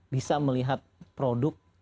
bisa melihat produk